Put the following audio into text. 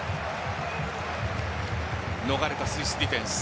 逃れたスイスディフェンス。